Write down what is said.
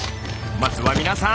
まずは皆さん。